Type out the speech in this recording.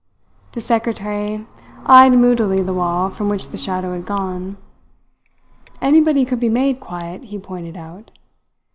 The secretary eyed moodily the wall from which the shadow had gone. Anybody could be made quiet, he pointed out.